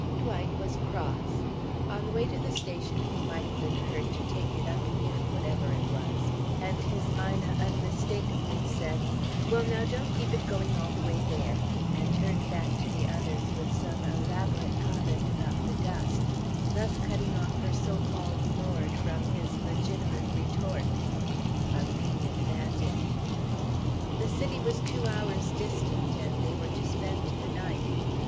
Dwight was cross. On the way to the station he might have been heard to take it up again, whatever it was, and his Ina unmistakably said: "Well, now don't keep it going all the way there"; and turned back to the others with some elaborate comment about the dust, thus cutting off her so called lord from his legitimate retort. A mean advantage. The city was two hours' distant, and they were to spend the night.